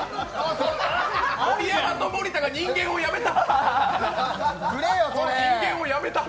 盛山と森田が人間を辞めた！